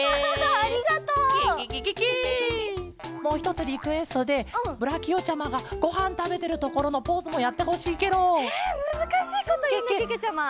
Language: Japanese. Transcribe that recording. もうひとつリクエストでブラキオちゃまがごはんたべてるところのポーズもやってほしいケロ！えむずかしいこというねけけちゃま。